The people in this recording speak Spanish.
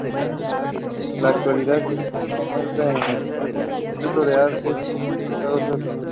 En la actualidad se encuentra en el Instituto de Arte de Chicago, Estados Unidos.